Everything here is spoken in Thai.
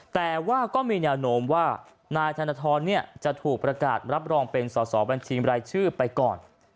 แต่ว่าก็มีแนวโน้มว่านายธนทรจะถูกประกาศรับรองเป็นสอสอบัญชีบรายชื่อไปก่อน